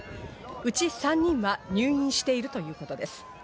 うち３人は入院しているということです。